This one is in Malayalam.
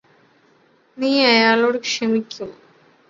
നീ അയാളോട് ക്ഷമിക്കുമോ